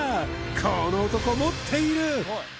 この男持っている！